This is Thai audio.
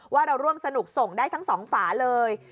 ว่าเราร่วมสนุกส่งได้ทั้งสองฝาเลย